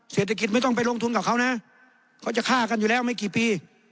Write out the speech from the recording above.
เศรษฐกิจไม่ต้องไปลงทุนกับเขานะเขาจะฆ่ากันอยู่แล้วไม่กี่ปี